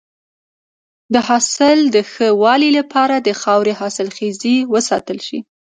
د حاصل د ښه والي لپاره د خاورې حاصلخیزی وساتل شي.